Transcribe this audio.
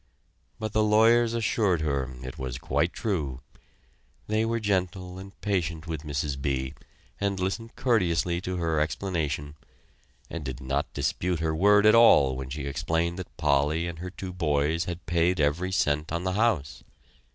But the lawyers assured her it was quite true. They were very gentle and patient with Mrs. B. and listened courteously to her explanation, and did not dispute her word at all when she explained that Polly and her two boys had paid every cent on the house.